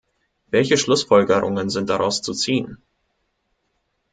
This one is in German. Welche Schlussfolgerungen sind daraus zu ziehen?